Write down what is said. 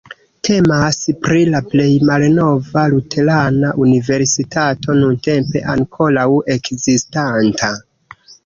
Temas pri la plej malnova luterana universitato nuntempe ankoraŭ ekzistanta.